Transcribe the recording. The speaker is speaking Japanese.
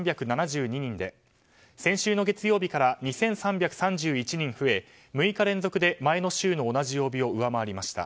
先週の月曜日から２１６人増えて３日連続で前の週の同じ曜日を上回りました。